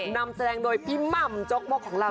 นำแสดงโดยพี่หม่ำจกมกของเรา